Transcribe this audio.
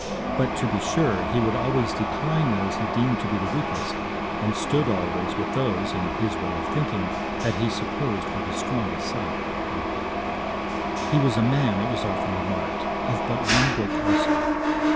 But, to be sure, he would always decline those he deemed to be the weakest, and stood always with those, in his way of thinking, that he supposed were the strongest side.' He was a man, it was often remarked, of but one book also.